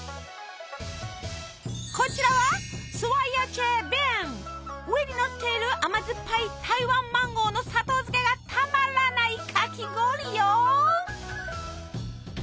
こちらは上にのっている甘酸っぱい台湾マンゴーの砂糖漬けがたまらないかき氷よ！